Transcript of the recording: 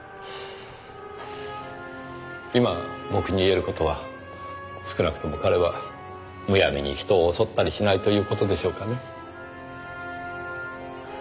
今僕に言える事は少なくとも彼はむやみに人を襲ったりしないという事でしょうかね。